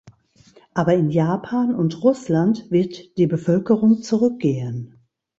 Aber in Japan und Russland wird die Bevölkerung zurückgehen.